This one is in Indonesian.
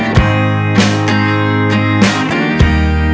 saya terminal itu